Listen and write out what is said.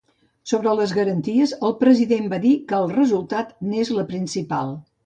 Sobre les garanties, el president va dir que el resultat n’és la principal.